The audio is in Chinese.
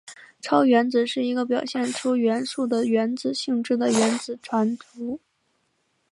超原子是一个表现出元素的原子性质的原子团簇。